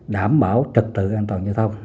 đảm bảo trực tự an toàn dân tổ quốc